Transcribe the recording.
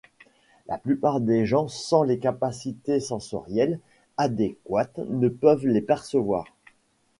La plupart des gens sans les capacités sensorielles adéquates ne peuvent les percevoir.